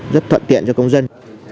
rất thuận tiện cho công dân